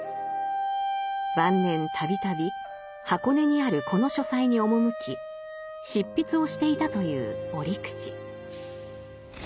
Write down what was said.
晩年度々箱根にあるこの書斎に赴き執筆をしていたという折口。